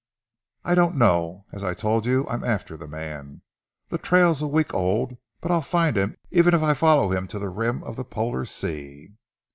"I don't know! As I told you, I'm after the man. The trail's a week old, but I'll find him even if I follow him to the rim of the Polar sea."